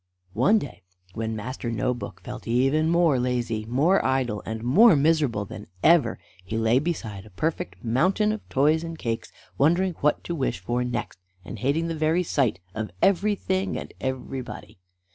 One day, when Master No book felt even more lazy, more idle, and more miserable than ever, he lay beside a perfect mountain of toys and cakes, wondering what to wish for next, and hating the very sight of everything and everybody.